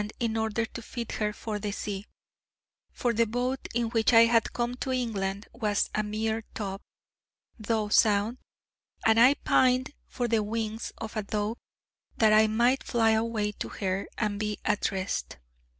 in order to fit her for the sea: for the boat in which I had come to England was a mere tub, though sound, and I pined for the wings of a dove, that I might fly away to her, and be at rest.